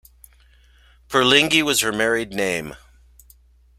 "Perlinghi" was her married name.